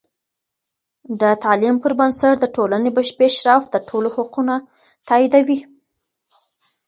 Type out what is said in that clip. د تعلیم پر بنسټ د ټولنې پیشرفت د ټولو حقونه تاییدوي.